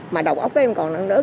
mà đầu óc các em còn nặng nớp